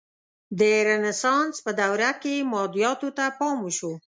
د رنسانس په دوره کې مادیاتو ته پام وشو.